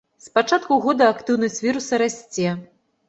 З пачатку года актыўнасць віруса расце.